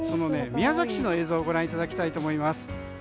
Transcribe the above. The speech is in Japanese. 宮崎市の映像をご覧いただきたいと思います。